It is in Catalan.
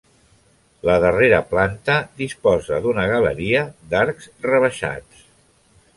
La darrera planta disposa d'una galeria d'arcs rebaixats.